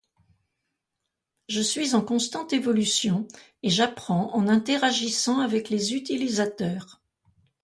Je suis en constante évolution et j'apprends en interagissant avec les utilisateurs.